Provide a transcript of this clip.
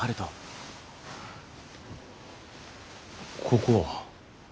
ここは。